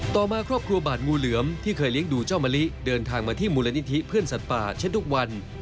ต่อมาครอบครัวบาดงูเหลือมที่เคยเลี้ยงดูเจ้ามะลิเดินทางมาที่มูลนิธิเพื่อนสัตว์ป่าเช่นทุกวัน